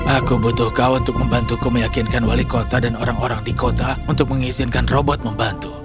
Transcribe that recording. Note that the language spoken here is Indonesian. aku butuh kau untuk membantuku meyakinkan wali kota dan orang orang di kota untuk mengizinkan robot membantu